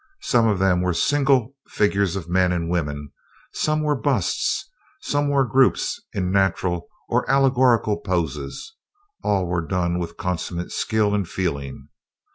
Some of them were single figures of men and women; some were busts; some were groups in natural or allegorical poses all were done with consummate skill and feeling.